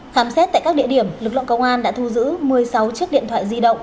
khám xét tại các địa điểm lực lượng công an đã thu giữ một mươi sáu chiếc điện thoại di động